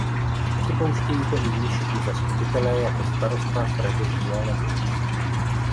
Připouštějí to i městští zastupitelé, jako starosta Freddy Thielemans.